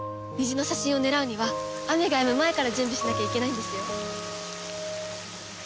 虹の写真を狙うには雨がやむ前から準備しなきゃいけないんですよ。